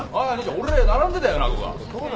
俺並んでたよな？